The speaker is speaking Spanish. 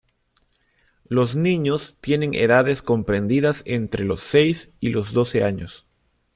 Los niños tienen edades comprendidas entre los seis y los doce años.